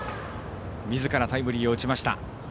みずからタイムリーを打ちました。